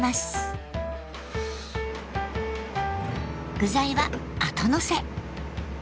具材は後のせ。